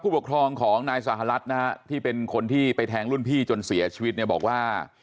ปกครองของนายสหรัฐนะฮะที่เป็นคนที่ไปแทงรุ่นพี่จนเสียชีวิตเนี่ยบอกว่า